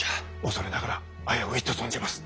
恐れながら危ういと存じます。